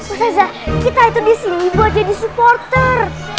ustazah kita itu disini buat jadi supporter